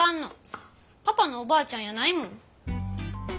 パパのおばあちゃんやないもん。